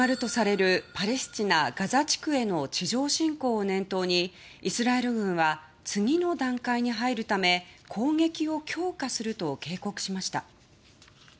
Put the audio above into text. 近く始まるとされるパレスチナ・ガザ地区への地上侵攻を念頭にイスラエル軍は次の段階に入るため攻撃を強化すると警告しました。